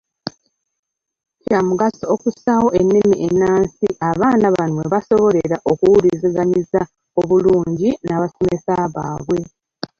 Kya mugaso okussaawo ennimi ennansi abaana bano mwe basobolera okuwuliziganyiza obulungi n’abasomesa baabwe.